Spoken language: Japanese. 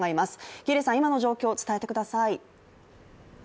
喜入さん、今の状況を伝えてください。